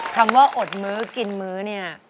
คำว่าอดมื้อกินมื้อเนี่ย